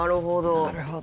なるほどね。